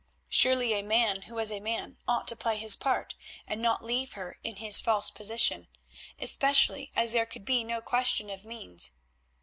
Surely a man who was a man ought to play his part, and not leave her in this false position, especially as there could be no question of means.